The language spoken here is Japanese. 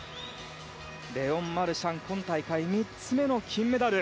レオン・マルシャン今大会３つ目の金メダル。